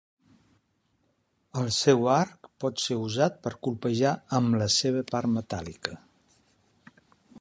El seu arc pot ser usat per colpejar amb la seva part metàl·lica.